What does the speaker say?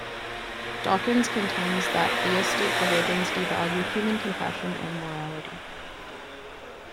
Dawkins contends that theistic religions devalue human compassion and morality.